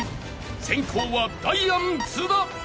［先攻はダイアン津田］